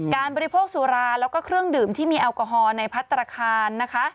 บริโภคสุราแล้วก็เครื่องดื่มที่มีแอลกอฮอล์ในพัฒนาคารนะคะ